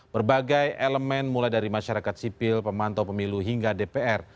berbagai elemen mulai dari masyarakat sipil pemantau pemilu hingga dpr